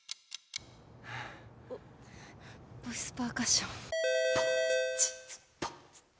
ボイスパーカッション。